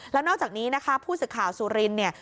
แล้วนอกจากนี้นะคะผู้ศึกข่าวสุรินตร์